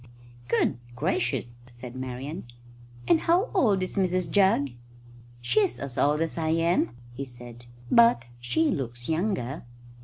"Good gracious!" said Marian. "And how old is Mrs Jugg?" "She's as old as I am," he said, "but she looks younger."